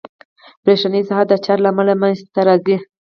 برېښنایي ساحه د چارج له امله منځته راځي.